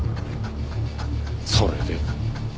それで？